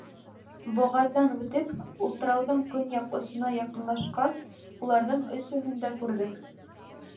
Боғаҙҙан үтеп, утрауҙың көньяҡ осона яҡынлашҡас, уларҙың өсөһөн дә күрҙек.